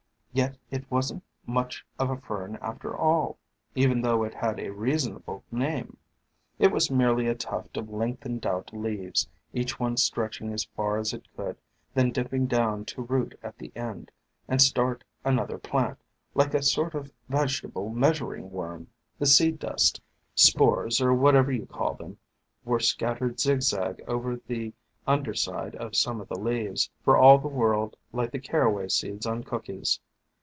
yet it was n't much of a Fern after all, even though it had a reasonable name. It was merely a tuft of lengthened out leaves, each one stretching as far as it could, then dipping down to root at the end, and start another plant, like a sort of vegetable measuring worm. The seed dust, spores, or whatever you call them, were scattered zigzag over the under side of some of the leaves, for all the world like the caraway seeds on cookies.